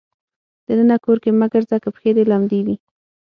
د ننه کور کې مه ګرځه که پښې دې لمدې وي.